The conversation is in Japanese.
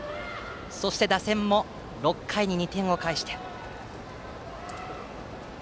そして、打線も６回に２点を返しました。